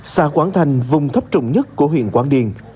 xa quảng thành vùng thấp trụng nhất của huyện quảng điền